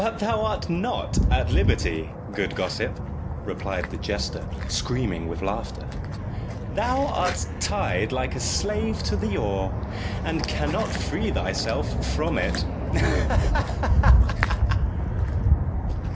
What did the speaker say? "But thou art not at liberty, good gossip," replied the jester, screaming with laughter; "thou art tied like a slave to the oar, and cannot free thyself from it ha! ha!"